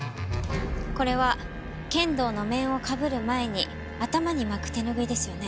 これは剣道の面をかぶる前に頭に巻く手拭いですよね？